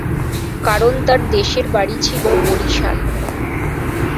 কারণ তার দেশের বাড়ি ছিল বরিশাল।